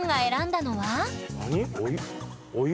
お湯？